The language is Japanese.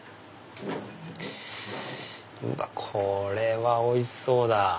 これはおいしそうだ。